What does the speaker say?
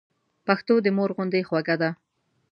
پښتو د مور غوندي خوږه ده.